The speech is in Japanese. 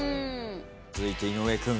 続いて井上君。